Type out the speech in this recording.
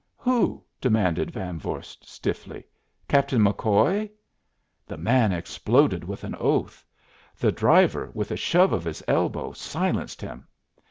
"Who?" demanded Van Vorst, stiffly, "Captain McCoy?" The man exploded with an oath. The driver, with a shove of his elbow, silenced him.